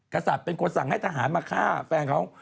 กษัตริย์เป็นคนสั่งให้ทหารมาฆ่าแฟนเขา